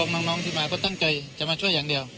น้องที่มาก็ตั้งใจจะมาช่วยอย่างเดียว